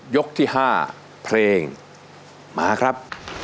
ยกที่๕เพลงมาครับ